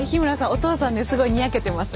お父さんねすごいにやけてます。